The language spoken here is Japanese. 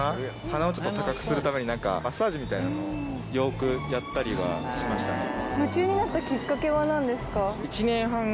鼻をちょっと高くするためにマッサージみたいなのをよくやったりはしましたね。